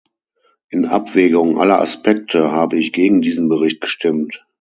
In Abwägung aller Aspekte habe ich gegen diesen Bericht gestimmt.